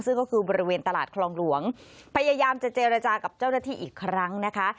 ซึ่งก็คือบริเวณตลาดคลองหลวงพยายามจะเจรจากับเจ้าหน้าที่อีกครั้งนะคะ